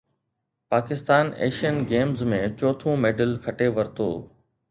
Pakistan Asian Games ۾ چوٿون medal کٽي ورتو